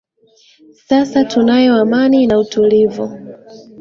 sasa tunayo amani na utulivu